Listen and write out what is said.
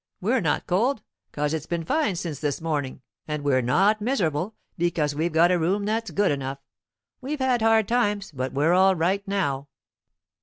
We're not cold, 'cos it's been fine since this morning; and we're not miserable, because we've got a room that's good enough. We've had hard times, but we're all right now."